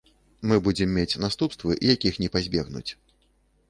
Мы будзем мець наступствы, якіх не пазбегнуць.